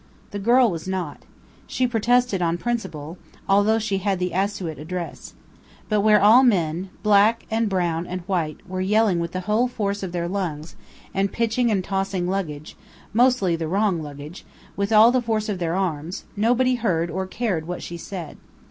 The girl was not. She protested on principle, although she had the Asiut address. But where all men, black and brown and white, were yelling with the whole force of their lungs, and pitching and tossing luggage (mostly the wrong luggage) with all the force of their arms, nobody heard or cared what she said.